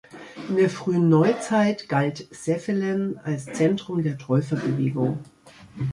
In der frühen Neuzeit galt Saeffelen als Zentrum der Täuferbewegung.